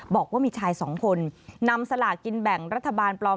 บอกว่ามีชายสองคนนำสลากินแบ่งรัฐบาลปลอม